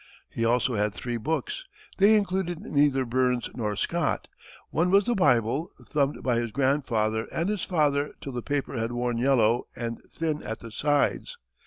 He also had three books. They included neither Burns nor Scott. One was the Bible, thumbed by his grandfather and his father till the paper had worn yellow and thin at the sides.